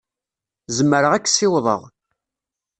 Zemreɣ ad k-ssiwḍeɣ.